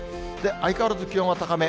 相変わらず気温は高め。